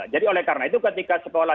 jadi oleh karena itu ketika sekolah